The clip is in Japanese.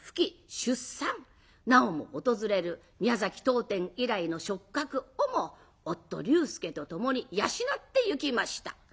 なおも訪れる宮崎滔天以来の食客をも夫龍介と共に養ってゆきました。